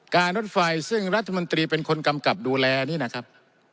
รถไฟซึ่งรัฐมนตรีเป็นคนกำกับดูแลนี่นะครับ